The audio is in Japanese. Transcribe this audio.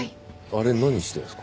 あれ何してんですか？